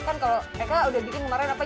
kan kalau eka udah bikin kemarin apa